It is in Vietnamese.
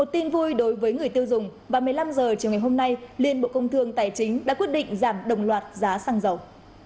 tin vui đối với người tiêu dùng và một mươi năm h chiều ngày hôm nay liên bộ công thương tài chính đã quyết định giảm đồng loạt giá xăng dầu